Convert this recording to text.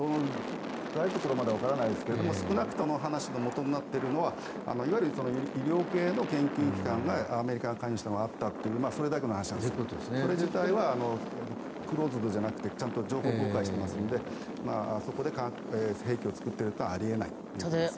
深いところまではわからないですが少なくともこの話のもとになっているのはいわゆる医療系の研究機関がアメリカが関与したものがあったというそれだけの話なんですがそれ自体はクローズドじゃなくてちゃんと情報公開していますのでそこで化学兵器を作っているのはあり得ないです。